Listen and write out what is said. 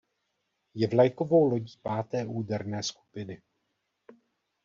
Je vlajkovou lodí páté úderné skupiny.